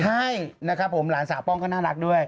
ใช่นะครับผมหลานสาวป้องก็น่ารักด้วย